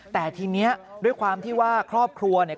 แต่ทีนี้ด้วยความที่ว่าครอบครัวเนี่ย